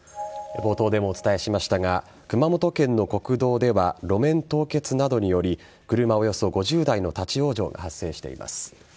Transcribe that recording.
冒頭でもお伝えしましたが熊本県の国道では路面凍結などにより車およそ５０台の立ち往生が発生しています。